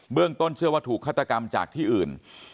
ต้นเชื่อว่าถูกฆาตกรรมจากที่อื่น